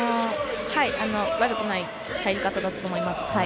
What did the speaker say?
悪くない入り方だったと思います。